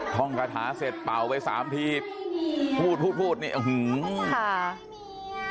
ท่องกระถาเสร็จเป่าไปสามทีพูดพูดพูดนี่อื้อหือค่ะ